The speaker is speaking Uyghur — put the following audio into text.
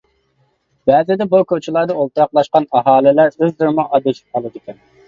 بەزىدە بۇ كوچىلاردا ئولتۇراقلاشقان ئاھالىلەر ئۆزلىرىمۇ ئادىشىپ قالىدىكەن.